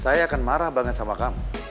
saya akan marah banget sama kamu